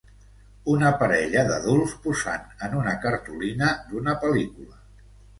Una parella d'adults posant en una cartolina d'una pel·lícula.